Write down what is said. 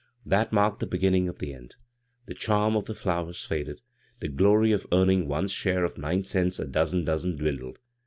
That marked the beginning of the end. The chjuTO of the flowers faded ; the glory of earning one's share of nine cents a dozen dozen dwindled.